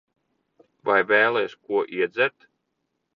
Vai vēlies ko iedzert?